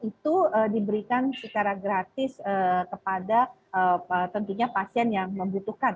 itu diberikan secara gratis kepada tentunya pasien yang membutuhkan